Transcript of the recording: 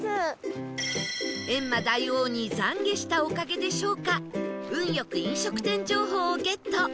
閻魔大王に懺悔したおかげでしょうか運良く飲食店情報をゲット